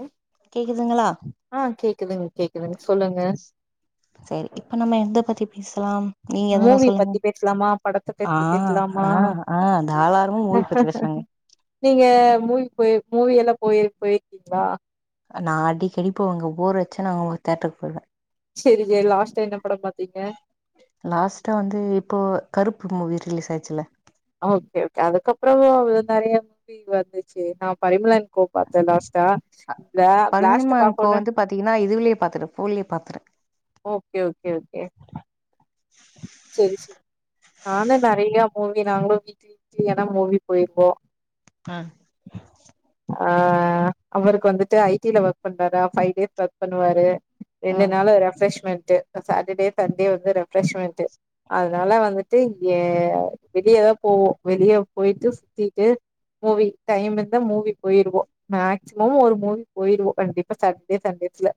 ம் கேக்குதுங்களா ஆ கேக்குதுங்க கேக்குதுங்க சொல்லுங்க சரி இப்ப நம்ம எந்த பதி பேஸ்லாம் மூவி பத்தி பேசலாமா படத்த ஆ பத்தி பேசலாமா ஆ ஆ தாராளமா மூவி பத்தி பேசலாங்க நீங்க மூவி போய் மூவியெல்லா போயிரு போயிருக்கீங்களா நா அடிக்கடி போவேங்க போர் அடிச்சா நாங்க ஒ தேட்டருக்கு போய்டுவே செரி செரி லாஸ்ட்டா என்ன படம் பாத்தீங்க லாஸ்ட்டா வந்து இப்போ கருப்பு மூவி இரு ரிலீஸ் ஆச்சுல்ல ஓகே ப்பே வந்துச்சே நா பரிமலன் கோ பாத்தே லாஸ்ட்டா பிளா பிளாஸ்ட்ட பரிணாமங்கோ பாக்கணு வந்து பாத்தீங்கன்னா இதுலயே பாத்துட்டே போன்லயே பாத்துட்டே ஓகே ஓகே ஓகே செரி செரி நானு நெறைய மூ கே நாங்களு வீக்லி வீக்லி ஆனா மூவி போயிருவோ ஆஹ் ஆஹ் அவருக்கு வந்துட்டு ஐ டில ஒர்க் பண்றாரா ஃபைவ் டேஸ் ஒர்க் பண்ணுவாரு ஆ ரெண்டு நாளு ரெஃப்ரெஷ்மெண்ட் ட்டு சட்டர்டே சண்டே வந்து ரெப்ரெஷ்மெண்ட்டு அதனால வந்துட்டு ஏ வெளியதா போவோ வெளிய போயிட்டு சுத்திட்டு மூவி டைம் இருந்தா மூவி போயிருவோ மேக்சிமம் ஒரு மூவி போயிருவோ கண்டிப்பா சாட்டர்டே சண்டேஸ்ல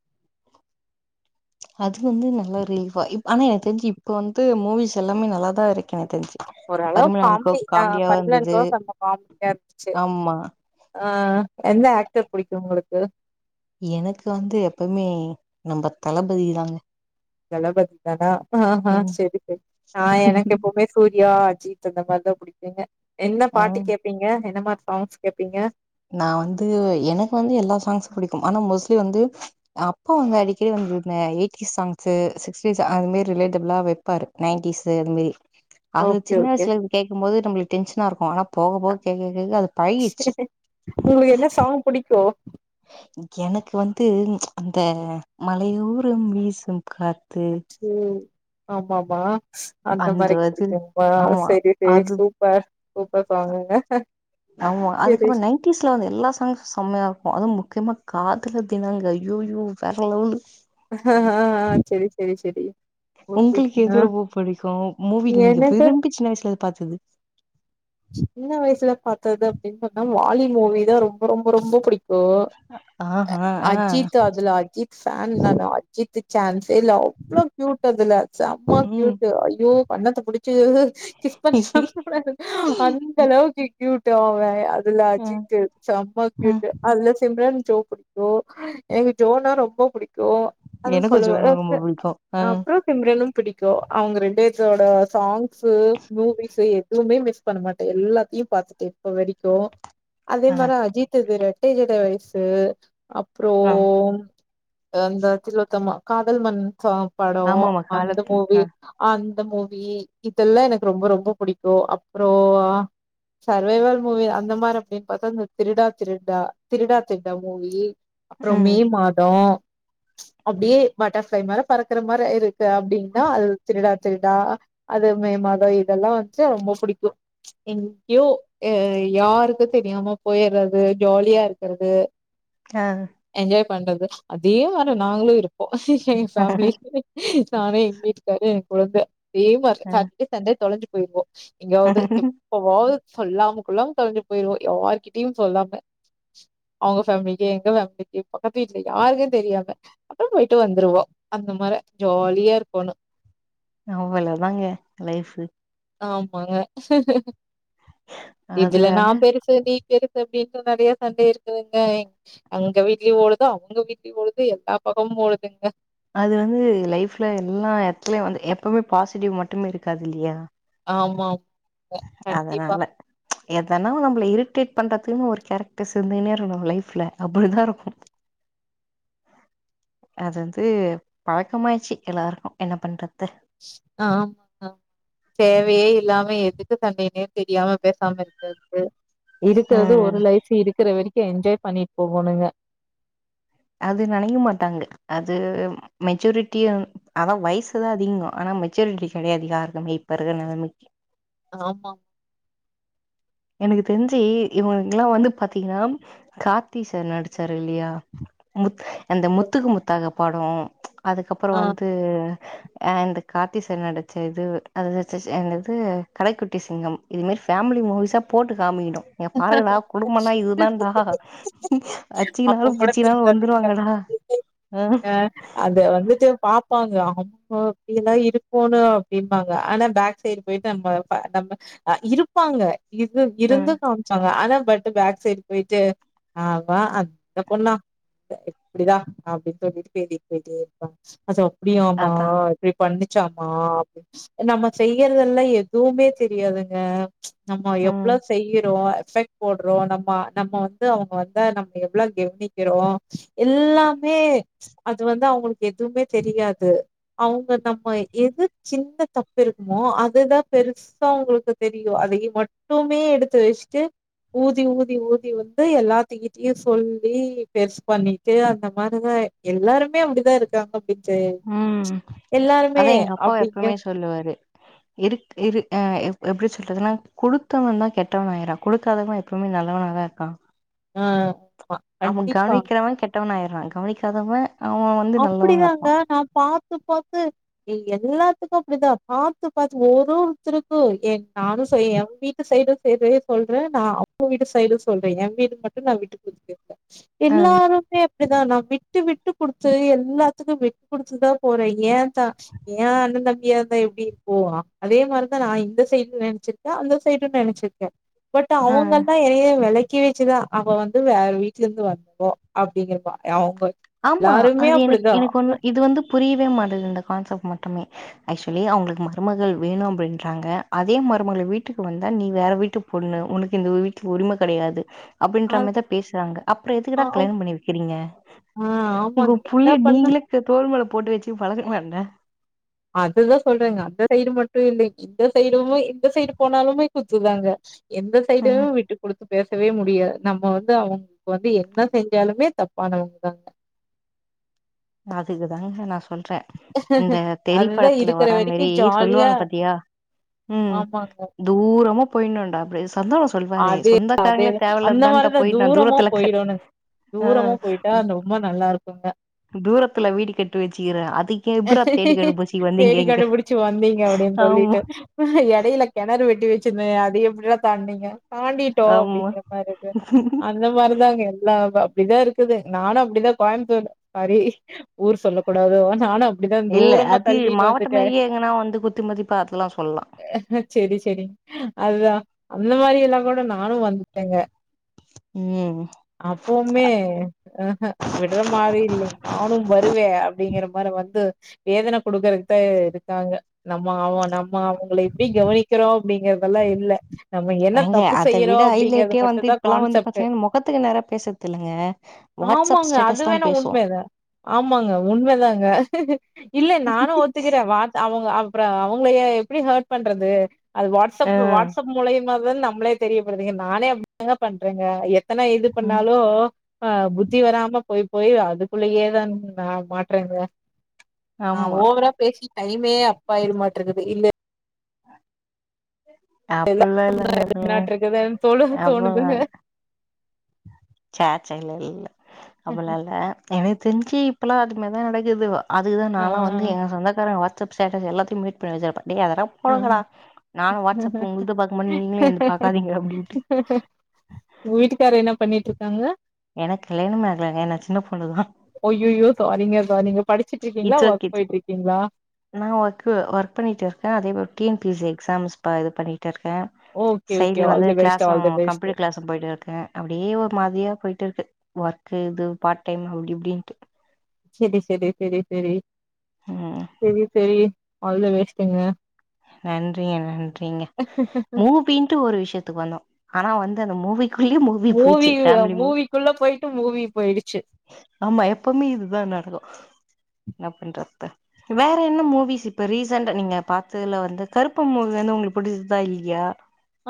அது வந்து நல்ல ஒரு ரிலீஃபா இப் ஆனே தெஞ்சு இப்போ வந்து மூவிஸ் எல்லாமே நல்லா தா இருக்கு எனக்கு தெஞ்சு ஓரளவு காமெடி ஆஹ் பரிமளா அன் கோ கொஞ்ச காமெடியா இருந்துச்சு ஆமா ஆஹ் எந்த ஆக்டர் பிடிக்கு உங்களுக்கு எனக்கு வந்து எப்பவுமே நம்ப தளபதி தாங்க தளபதி தானா ஆஹ்ஹ ம் சரிங்க ஆ எனக்கு எப்பவுமே சூர்யா ஜீத் அந்த மாரிதா புடிக்குங்க என்ன ஆ பாட்டு கேப்பீங்க என்ன மா சாங்ஸ் கேப்பீங்க நா வந்து எனக்கு வந்து எல்லா சாங்ஸ் பிடிக்கும் ஆனா மோஸ்ட்லி வந்து அப்பா அங்க அடிக்கடி வந்து இந்த எயிட்டி சாங்ஸு சிக்டிஸ் அது மாி ரிலேட்டபில்லா வெப்பாரு நைன்டிஸ் அது மாரி அது ஓகே சின்ன ஓகே வயசுல கேக்க போது நம்மளுக்கு டென்ஷனா இருக்கு ஆனா போக போக கேக்க கேக்க அது பழகிடுச்சு உங்களுக்கு என்ன சாங் பிடிக்கு எனக்கு வந்து அந்த மலையூரும் வீசும் காத்து ஆம ஆமா அந்த அது ஆமா செரி செரி அது சூப்பர் சூப்பர் அ சாங்குங்க ஆமா செரி அதுக்கப்புற நைன்டிஸ்ல வந்த எல்லா சாங்சு செம்மையா இருக்கு அதுவு முக்கியமா காதலர் தினாங்க ஐயோயோ வேர லெவலு ஆஹ்ஹ ஆஹ் ஆஹ் சரி சரி சரி உங்களுக்கு எது ரொம்ப பிடிக்கு மூவி நீங்க எனக்கு விரும்பி சின்ன வயசுல பாத்தது சின்ன வயசுல பாத்தது அப்டின்னு சொன்னா வாலி மூவிதா ரொம்ப ரொம்ப ரொம்ப புடிக் கூ ஆஹா ஆ அஜித் அதுல அஜித் ஃபேன் நானு அஜித்துக் சான்ஸ் தெர்ல அவ்ளோ க்யூட் அதுல செம்மா ம். க்யூட் ஐயோ கண்ணத்த புடிச்சு கிஸ் [unintelligible] அந்தளவுக்கு க்யூட்டு அவுங்க எ அதுல ம், அஜித்து செம்ம ம். க்யூட்டு அதுல சிம்ரன் ஜோ புடிக்கூ எனக்கு ஜோனா ரொம்ப புடிக்கு எனக்கும் ஜோன் ரொம்ப கு [unintelligible] பிடிக்கும். ஆ, அப்றோ சிம்பரனு புடிக்கு பிடிக்கு அவுங்க ரெண்டேதொட சாங் ஸு மூவிஸு எதுமே மிஸ் பண்ணமாட்டே எல்லாத்தியு பாத்துட்டே இப்ப வரிக்கூ அத ஆ, மார அஜித்துது ரெ [unintelligible] வயசு ஆ. அப்றோம் அந்த திலோத்தமா காதல் மன்னன் சாங் படோ ஆமாமா அந்த காலத் மூவி ஆ, அந் த மூவி இதெல்லா எனக்கு ரொம்ப ரொம்ப புடிக்கு அப் றோ சர்வைவல் மூவி அந்த மாரி அப்டின் பாத்தா இந்த திருடா திருடா திருடா திருடா மூவி அப்றம் மே ம், மாதோ அப்டியே பட்டர்ஃப்ளே மேல பறக்குற மார இரு து அப்டிந்தா அது திருடா திருடா அது மே மதோ இதெல்லா வந்ட்டு ரொம்ப புடிக் கு ச்ச் எங்யோ அ யாருக்கு தெரியாம போயற்து ஜாலியா இருக்கிறது அ பண்றது அதே மாறி நாங்களு இருப்போ [unintelligible] நானு எங் வீட்டுக்காரு கொழுந்த இதே மாறி ஆ. சாட்டே சண்டே தொலஞ்சி போய்ட்னோ எங்யாவ்து எப்போவாது சொல்லாமக் கொள்ளாம கெளம்பி போயிருவோ யாருகிட்டயு சொல்லாம அவுங்க ஃபேமிலிக்கு எங்க ஃபேமிலிக்கு பக்கத்து வீட்ல யாருக்கு தெரியாம அப்றோ போயிட்டு வந்துருவோ அந்த மாரி ஜாலியா இருக்கணு அவ்வளதாங்க லைஃபு ஆமாங்க அது இதுல நா வந்து பெருசு நீ பெருசு அப்டீன் [unintelligible] நெறைய சண்ட இருக்குதுங்க எங்க வீட்லயு ஓடுது அவுங்க வீட்லயு ஓடுது எல்லா பக்கமு ஓடுதுங்க அது வந்து லைஃப்ல எல்லாம் எத்தலயும் வந்து எப்பவுமே பாசிட்டிவ் மட்டுமே இருக்காதுல்லையா ஆமா அதனால எதனா நம்மளை இரிட்டேட் பண்றதுக்குன்னு ஒரு கேரக்டர் இருர்ந்துன்னே இருக்கும் லைஃப்ல அப்டிதான் இருக்கும் அது வந்து பழக்கமாயிடுச்சு எல்லாருக்கும் என்ன பண்றது ஆமா தேவையே இல்லாம எதுக்கு சண்டைனே தெரியாம பேசாம இருக்கிறது இருக்கிறது ம் ஒரு லைஃப் இருக்கிற வரைக்கும் என்ஜாய் பண்ணிட்டு போகணுங்க அது நினைக்க மாட்டாங்க அது மெச்சூரிட்டி ஆனா வயசுதான் அதிகம் ஆனா மெச்சூரிட்டி கிடையாது யாருக்குமே இப்ப இருக்குற நிலமைக்கு ஆமா எனக்கு தெரிஞ்சு இவங்கல்லாம் வந்து பாத்தீங்கன்னா கார்த்தி சார் நடிச்சாரு இல்லையா முத் அந்த முத்துக்கு முத்தாக படம் அதுக்கப்புறம் ஆ வந்து இந்த கார்த்தி சார் நடிச்ச இது அது என்னது கடைக்குட்டி சிங்கம் இது மாரி ஃபேமிலி மூவிஸா போட்டு காமிக்கணும் இங்க பாருங்கடா குடும்பனா இதுதான்டா அப்ப அச்சிக்கினாலும் கூட புடிச்சிக்கினாலும் திருந்தது இல்ல வந்துருவாங்கடா ஆ இருப்பாங்க ஆமா அப்டி எல்லாம் இருக்கோணும் அப்படின்பாங்க ஆனா பேக் சைடு போயிட்டு நம்ம ந இருப்பாங்க இது ஆ இருந்து ஆனா பட் பேக் சைடு போயிட்டு ஆ அந்த பொண்ணா எப்படிதான் அப்படின்னு சொல்லிட்டு பே போயிட்ட இருப்பா அப்டியமா அதா இப்படி பண்ண ச்சாம அப்ப நம்ம செய்யறதெல்லாம் எதுவுமே தெரியாதுங்க நம்ம ம் எவ்ளோ செய்ய றோம் நம்ம நம்ம வந்து அவங்க வ நம்ம எவ்ளவு கெவனிக்கிறோம் எல்லாமே அது வந்து அவுங்களுக்கு எதுவுமே தெரியாது அவங்க நம்ம எது சின்ன தப்பு இருக்குமோ அதுதான் பெருசா அவுங்களுக்கு தெரியும் அதையும் மட்டுமே எடுத்து வச்சுட்டு ஊதி ஊதி ஊதி வந்து எல்லாத்த கிட்டயையும் சொல்லி பெர்ஸ் பண்ணிட்டு அந்த மாதிரிதான் எல்லாருமே அப்படிதான் இருக்காங்க அப்படின்னு ம் அதான் எங்க அப்பாவ அப்படிங்க எப்பமே சொல்லுவாரு இரு இரு ஆ எப்படி சொல்றதுன்னா குடுத்தவன் தான் கெட்டவன் ஆயறான் கொடுக்காதவன் எப்பவுமே நல்லவன்ாதா இருக்கான் ம் அவம கவனிக்கிறவன் கெட்டவன் ஆயி றா கவனிக்காதவ அப்படிதாங்க நான் பாத் பாரத்துு பாார்த்து எல்லாத்துக்கும் அப்படிதான் பாத்து பாத்து ஒரு ஒருத்தருக்கும் என் நானும் என் வீட்டு சைடும் செய்ற சொல்றேன் நான் அப்ப வீட்டு சைடும் சொல்றேன் என் வீடு மட்டும் நான் விட்டு குடுத்து பேசுல ஆ எல்லாருமே அப்படிதான் நான் விட்டு விட்டு கொடுத்த எல்லாத்துக்கும் விட்டு குடுத்துதான் போறேன் ஏன் தான் ஏன் அண்ணன் தம்பியா இருந்தான் எப்படி இருப்போ அதே மாதிரிதான் நான் இந்த சைடு நினைச்சிருக்கேன் அந்த சைடும் நினைச்சிருக்கேன் பட் ஆ அவங்க தான் எனைய வில தக்கி வச்சுதான் அவ வந்து வேற வீடல இருந்து வந்தவோ அப்படிங்கிறப்பா அவங்க ஆமா எல்லாருமே அது எனக்கு அப்படிதான் எனக்கு அப்ப ஒண்ணு இது வந்து புரியவே மாட்டறது இந்த கான்செப்ட் மட்டுமே ஆக்சுவலி அவங்களுக்கு மருமகள் வேணும் அப்படின்றாங்க அதே மருமகல வீட்டுக்கு வந்தா நீ வேற வீட்டுக்கு பொண்ணு உனக்கு இந்த வீட்டுல உரிமை கிடையாது அ அப்படின்ற மாதிரிதான் பேசுறாங்க அப்புறம் ஆ எதுக்குடா கிளைம் பண்ணிகிறீங்க ஆ உங்க ஆமாங்க என்ன புள்ளிய பண்ண நீங்களுக்கு தோல் போட்டு வெச்சு பழக்கலண் என்ன அதுதான் சொல்றேங்க அந்த சைடு மட்டும் இல்ல இந்த சைடுமே இந்த சைடு போனாலுமே குத்துதாங்க எந்த ம் சைடையும் விட்டு குடுத்து பேசவே முடியாது நம்ம வந்து அவங்களுக்கு வந்து என்ன செஞ்சாலுமே தப்பானவங்க தான் அதுக்குதாங்க நான் சொன் சொல்றேன் இந்த அதுதா தெறிப்படத்துல இருக்கிற வரா வரைக்கு மதாரி ஜாலியா சொல்லுவாங்க பாத்தியா உம் ஆமாங்க தூரமு பொயுண்டா பேசு அதே அதோன் அந்த மாதிரிதான் போய் நா தூரமோ தூரத்துல க- போயிடணுங்க ஆ தூரமோ போயிட்டா ரொம்ப நல்லா இருக்குங்க தூரத்துல வீடு கட்டு வெச்சுக்கிற அது தேடி கண்டுபிடிச்சு வந்தீங்க அப்படின்னு ஆமா சொல்லிட்டு எடையில கிணறு வெட்டி வச்சு வெச்சது அது எப்படிடா தாண்டுனிங்க தாண்டிட்டோம் ஆமா அப்படிங்கிற மாதிரி இருக்கு அந்த மாதிரிதான்ங்க எல்லாம் அப்படிதான் இருக்குது நானும் அப்படிதான் கோயமுத்தூர் சாரி ஊர் சொல்லக்கூடாதோ நானும் அப்டி இல்ல அது மாவட்டம் மாதாரியே எங்கன்னா வந்து குத்திமதிப்பா அதெல்லாம் சொல்லலாம் செரி செரி அதுதான் அந்த மாதிரி எல்லாம் கூட நானும் வந்துட்டேங்க ம் அப்பவுமே அஹ்ஹ விடுற மாதிரி இல்லைங்க நானும் வருவேன் அப்படிங்கிற மாதிரி வந்து வேதன குடுக்கறக்குதான் இருக்காங்க நம்ம ஆ நம்ம அவங்க எப்படி கவனிக்கிறோம் அப்படிங்கறதெல்லாம் இல்ல நம்ம என்ன ஏங்க தப்பு அத விட செய்யறோம் அப்படிங்கறிறது ஹைலைட்டே வந்து மட்டும் தான் இப்பல்லா வந்து கான்செப்ட் பாத்தீங்கன்னா முகத்துக்கு நேரா பேசறது இல்லங்க வாட்ஸ்அப் ஆமாங்க அது ஸ்டேட்டஸ் தா வேணா பேசு உண்மைதான் ஆமாங்க உண்மதாங்க ஹுஹு இல்ல நானு ஒத்துக்குற வாட் அவுங்க அவு அப்பறோ அவுங்கள எப்டி ஹேட் பண்றது அது வாட்ஸ்அப் ஆ வாடஸ்அப் மூலைய மதன் நம்ளே தெரியப்படுதிங் நானே அப்டி தாங்க பண்றேங்க எத் இப்பனா எது ம் பண்ணாலு ஆ புத்தி வராம போய் போய் அதுக்குள்ளயேதா நா மாட்றேங்க ஆ ஆமா ஓவரா பேசி டைம் மே அப்பா [unintelligible] மாட்ர்ங்குது இந்த [inaudible] எல்ல அப்பல்லா இல்லங்க [unintelligible] இப்பல்லா நாட்ருங்குது தொழுவ அப்பல்லா தோணுதுங்க இல்ல சே சேச்ச இல்லல்ல அப்புலா இல்ல எனக்கு தெரிஞ்சு அப்புலா அது மாரி தா நடக்குதுவோ அதுக்னதா ஆ, நாலா வந்து எங்க சொந்தக்காரங்க வத் ஸப் ஸ்டேடஸ் ஃஎல்லாத்தையு ம்யூட் பண்ணி வெப்ப டேய் அதெலா ஆ. போங்கடா நானு வாட்ஸ்அப் உங்கள்து பாக்க மாட்டமாே நீங்களு என்து பாக்காதீங்க அப்டின்ட்டு காங்க எனக் கல்யாணமே ஆகலங்க நா சின்ன பொ ஐய்யோயோ சாரிங்க சாரிங்க படிச்சிட்ருக்கீங்களா இட்ஸ் ஓகே ஒர்க் இட்ஸ் போய்ட்ருக்கீங்களா நா பீஸ் எக்ஸாம்ஸ்க்காக பா இது பண்ணி ருக்க ஓகே ஓகே சைட்ல ஆல் வந்து the best class all the best computer class போயிட்டுருக்க அப்டியே ஒரு மாதிரியா போயிட் ட்ருக்கு ஒர்க் இது பார்ட் டைம் அப்டி இப்டின்ட்டு செரி செரி செரி செரி ம் செரி சேரி அதுல வேஸ்ட்டுங்க நன்றிக நன்றிங்க மூப்பின்ட்டு ஒரு விஷயத்துக்கு வந்தோ ஆனா வந்து அந்த மூவிங் மூவி மூவி குள்ள போயி ட்டு மூவிப் ஆமா எப்பவுமே இதுதா நடக்கு என்னா பண்றது வேற என்ன மூவிஸ் இப்ப ரீசண்டா நீங்க பாத்ததுல வந்து கருப்பு மூவி வந்து உங்களுக் புடிச்சிதா இல்லையா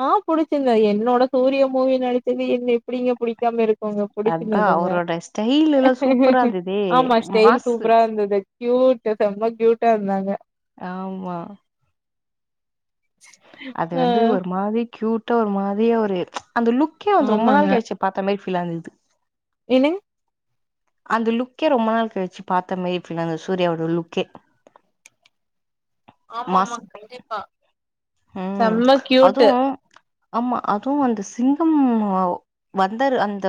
ஆ புடிச்சிருந்து என்னோட சூரிய மூவி நடிச்சது என்ன எப்டிங்க புடிக்காம இருக் ங்க அதா புடிச்சுதுங்க அவரோட ஸ்டைல் எல்லா சூப்பரா இருந்ததே ஆமா ஸ்டைல் மாசு சூப்பரா இருந்துது கியூட் செம கியூட்டா இருந்தாங்க ஆமா அது ஆ வந்து ஒரு மாதிரி கியூட் ட்டா ஒரு மாதிரியா ஒரு அந்த லுக்கே வந்து ரொம்ப ஆமாங்க நாள் கழிச்சி பாத்த மாதிரி பிலாந்தது என்னங்க அந்த லுக்கே ரொம்ப நாள் கழிச்சு பாத்த மாதிரி ஃபிலந்தது சூர்யாவோட லுக்கே ஆமா ஆமா மாஸ் கண்டிப்பா ம் செம்ம கியூட்டு அதுவு ஆமா அதுவு அந்த சிங்கம் வந்தாரு அந்த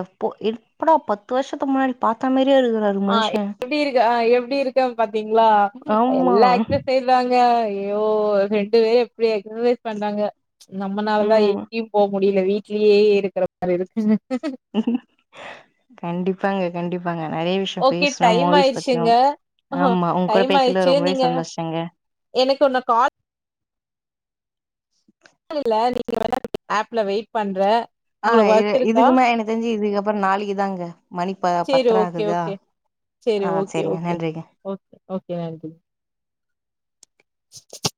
எப்படா பத்து வருஷத்துக்கு முன்னாடி பாத்தா மாரியே இருக்குறாரு ஆஹ் மனுஷன் எப்டி இருக்கார் அ எப்டி இருக்கார் பாத்தீங்களா ஆமா எல்லா ஆக்டர்ஸே இதாங்க ஐயோ ரெண்டு பேரு எப்டி எக்சசைஸ் பண்றாங்க நம்மளால தா ம் எங்கியு போ முடியல வீட்லயே இருக்கற மாரி இருக்குங்க கண்டிப்பாங்க கண்டிப்பாங்க நெறைய விஷயம் ஓகே பேசுனோம் டைம் மூவிஸ் ஆய்ருச்சுங்க பத்தியும் ஆஹ் ஆமா உங்க கூட டைம் பேசல ஆயிருச்சுல ரொம்பவே நீங்க சந்தோஷங்க எனக்கென்ன கால் [inaudible] இல்ல [inaudible] ஆப்ல வெயிட் பண்ற ஆஹ் இது இதுக்குமேல எனக்கு தெரிஞ்சு இதுக்கு அப்பற நாளைக்குதாங்க மணி பா சேரி பத்தர ஓகே ஆகுதா ஓகே ஆஹ் சேரிங்க நன்றிங்க யாரது [inaudible]